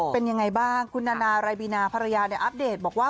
เป็นยังไงบ้างคุณนานารายบีนาภรรยาอัปเดตบอกว่า